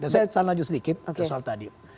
dan saya lanjut sedikit soal tadi